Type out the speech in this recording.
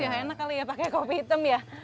ya enak kali ya pakai kopi hitam ya